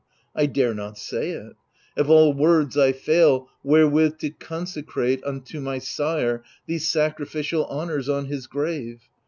I dare not say it : of all words I fail Wherewith to consecrate unto my sire These sacrificial honours on his grave.